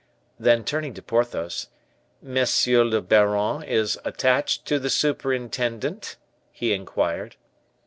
Then turning to Porthos, "Monsieur le baron is attached to the superintendent?" he inquired.